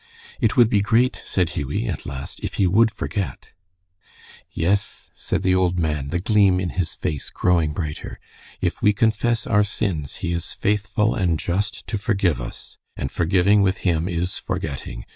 "It would be great," said Hughie, at last, "if he would forget." "Yes," said the old man, the gleam in his face growing brighter, "'If we confess our sins he is faithful and just to forgive us,' and forgiving with him is forgetting.